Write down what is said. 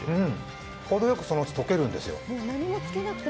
ほどよくそのうち溶けるんですよ。